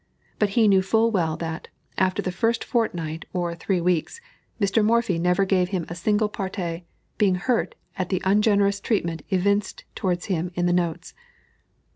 _But he knew full well that, after the first fortnight or three weeks, Mr. Morphy never gave him a single partie, being hurt at the ungenerous treatment evinced towards him in the notes.